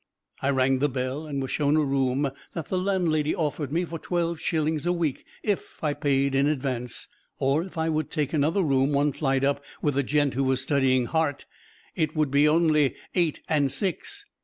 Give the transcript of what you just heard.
I rang the bell, and was shown a room that the landlady offered me for twelve shillings a week if I paid in advance; or if I would take another room one flight up with a "gent who was studying hart" it would be only eight and six.